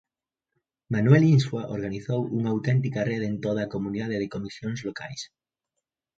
Manuel Insua organizou unha auténtica rede en toda a comunidade de comisións locais.